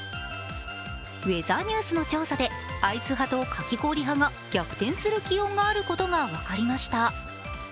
ウェザーニュースの調査でアイス派とかき氷派が逆転する気温があることが分かりました。